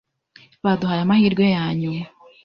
Baduhaye amahirwe yanyuma.